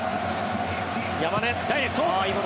山根、ダイレクト。